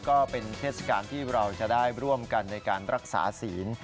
ก็เป็นเทศกาลที่เราจะได้ร่วมกันในการรักษาศีล